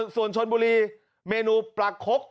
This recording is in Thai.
ส่วนชนบุรีเมนูปลาคก